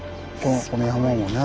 この山もね。